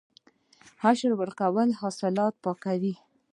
عشر ورکول حاصلات پاکوي.